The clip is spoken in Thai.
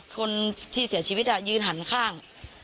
คนที่เสียชีวิตยืนหันข้าง